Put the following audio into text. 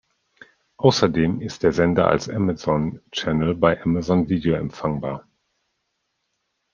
Außerdem ist der Sender als Amazon Channel bei Amazon Video empfangbar.